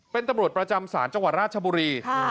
เป็นตำรวจประจำศาลจังหวัดราชบุรี